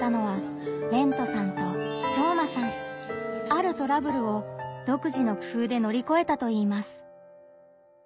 あるトラブルを独自の工夫でのりこえたといいます。